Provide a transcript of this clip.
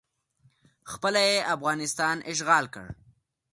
خپله یې افغانستان اشغال کړ